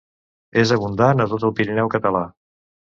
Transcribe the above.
És abundant a tot el Pirineu català.